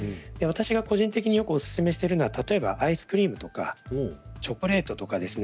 個人的におすすめしてるのがアイスクリームとかチョコレートとかです。